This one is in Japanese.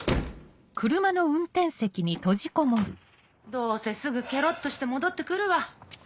どうせすぐケロっとして戻ってくるわ。